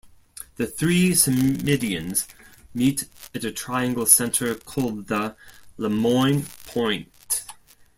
The three symmedians meet at a triangle center called the Lemoine point.